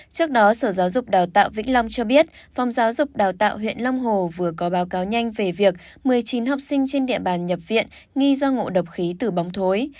trước đó sở giáo dục đào tạo vĩnh long cho biết phòng giáo dục đào tạo huyện long hồ vừa có báo cáo nhanh về việc một mươi chín học sinh trên địa bàn nhập viện nghi do ngộ độc khí từ bóng thối